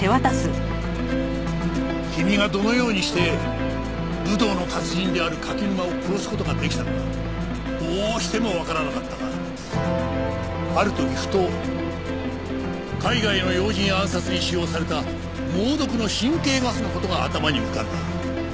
君がどのようにして武道の達人である柿沼を殺す事ができたのかどうしてもわからなかったがある時ふと海外の要人暗殺に使用された猛毒の神経ガスの事が頭に浮かんだ。